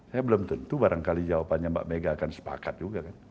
saya belum tentu barangkali jawabannya mbak mega akan sepakat juga kan